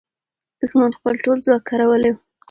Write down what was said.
دښمن خپل ټول ځواک کارولی وو.